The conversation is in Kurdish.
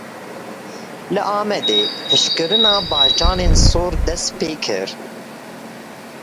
Li Amedê hişkkirina bacanên sor dest pê kir.